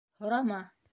Һорама!